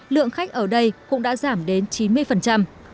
lượng khách ở đây cũng đã giảm